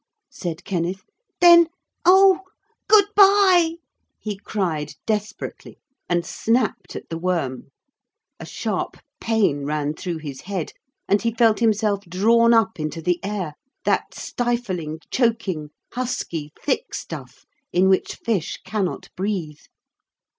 _' said Kenneth 'Then ... oh! good bye!' he cried desperately, and snapped at the worm. A sharp pain ran through his head and he felt himself drawn up into the air, that stifling, choking, husky, thick stuff in which fish cannot breathe.